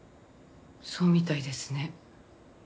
そうみたいですね。